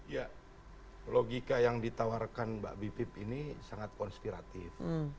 ya logika yang ditawarkan mbak bipip ini sangat konspiratif